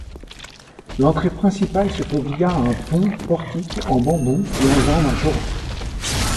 L'entrée principale se fait via un pont-portique en bambou qui enjambe un torrent.